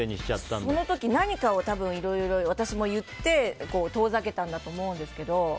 その時何かを私もいろいろ言って遠ざけたんだと思うんですけど。